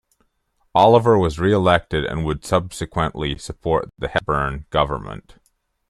Oliver was re-elected and would subsequently support the Hepburn government.